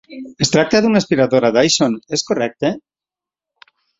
Es tracta d'una aspiradora Dyson, és correcte?